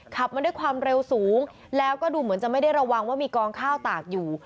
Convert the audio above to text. ขับมาด้วยความเร็วสูงแล้วก็ดูเหมือนจะไม่ได้ระวังว่ามีกองข้าวตากอยู่